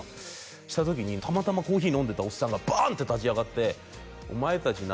そうした時にたまたまコーヒー飲んでたおっさんがバン！って立ち上がって「お前達な」